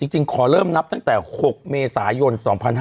จริงขอเริ่มนับตั้งแต่๖เมษายน๒๕๕๙